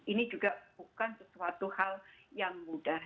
ini juga bukan sesuatu hal yang mudah